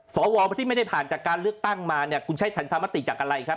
สวที่ไม่ได้ผ่านจากการเลือกตั้งมาเนี่ยคุณใช้ฉันธรรมติจากอะไรครับ